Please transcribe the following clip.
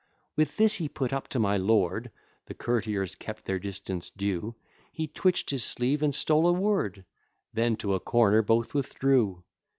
With this he put up to my lord, The courtiers kept their distance due, He twitch'd his sleeve, and stole a word; Then to a corner both withdrew.